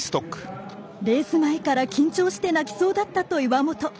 レース前から緊張して泣きそうだったと岩本。